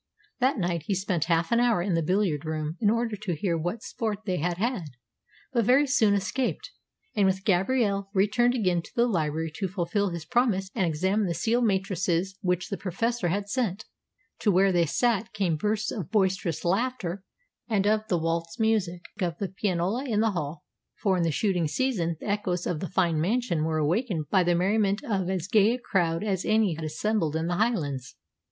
That night he spent half an hour in the billiard room in order to hear what sport they had had, but very soon escaped, and with Gabrielle returned again to the library to fulfil his promise and examine the seal matrices which the Professor had sent. To where they sat came bursts of boisterous laughter and of the waltz music of the pianola in the hall, for in the shooting season the echoes of the fine mansion were awakened by the merriment of as gay a crowd as any who assembled in the Highlands.